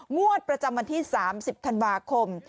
งวดประจำวันที่๓๐ธันวาคม